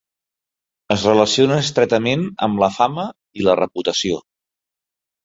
Es relaciona estretament amb la fama i la reputació.